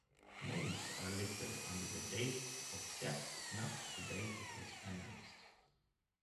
Names are listed under the date of death, not the date it was announced.